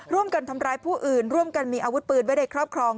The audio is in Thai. ร่วมกันทำร้ายผู้อื่นร่วมกันมีอาวุธปืนไว้ในครอบครอง